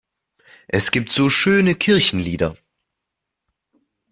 Es gibt so schöne Kirchenlieder!